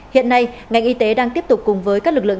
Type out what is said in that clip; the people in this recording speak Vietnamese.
hiện nay ngành y tế đang tiếp tục cùng với các lực lượng